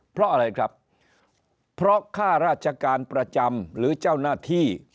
เพราะอะไรครับเพราะค่าราชการประจำหรือเจ้าหน้าที่